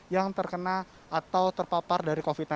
yang terkena atau terpapar dari covid sembilan belas